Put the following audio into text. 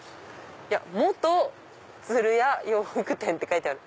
いや「元鶴谷洋服店」って書いてある。